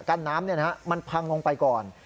กั้นน้ำเนี่ยนะครับมันพังลงไปก่อน